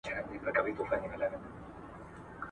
اسراف کول د شيطان د ورورولۍ نښه ده.